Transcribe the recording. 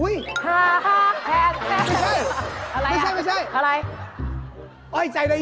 เอาเปลี่ยนข้างนี้แล้วกัน